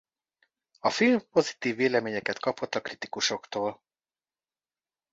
A film pozitív véleményeket kapott a kritikusoktól.